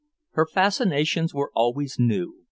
Her fascinations were always new.